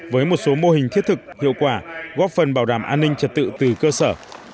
với một số mô hình thiết thực hiệu quả góp phần bảo đảm an ninh trật tự từ cơ sở